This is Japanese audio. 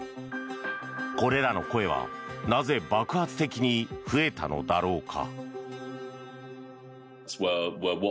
これらの声はなぜ爆発的に増えたのだろうか。